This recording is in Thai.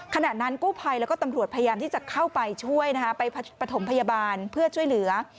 ขณะนั้นกู้ภัยแล้วก็ตำรวจพยายามที่จะเข้าไปช่วยนะคะไปปฐมพยาบาลเพื่อช่วยเหลือ